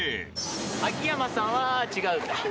秋山さんは違う。